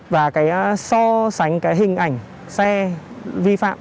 và cái so sánh cái hình ảnh xe vi phạm